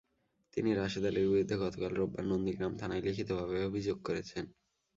তিনি রাশেদ আলীর বিরুদ্ধে গতকাল রোববার নন্দীগ্রাম থানায় লিখিতভাবে অভিযোগ করেছেন।